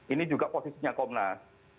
ini juga posisinya komnas